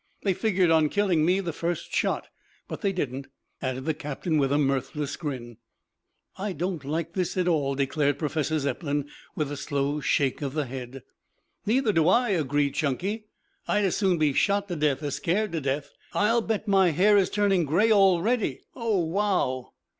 They figured on killing me the first shot. But they didn't," added the captain with a mirthless grin. "I don't like this at all," declared Professor Zepplin with a slow shake of the head. "Neither do I," agreed Chunky. "I'd as soon be shot to death as scared to death. I'll bet my hair is turning gray already. Oh, wow!"